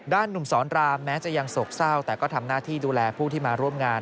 หนุ่มสอนรามแม้จะยังโศกเศร้าแต่ก็ทำหน้าที่ดูแลผู้ที่มาร่วมงาน